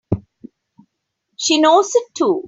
She knows it too!